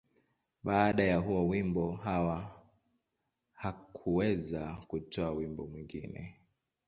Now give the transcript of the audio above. Baada ya huo wimbo, Hawa hakuweza kutoa wimbo mwingine.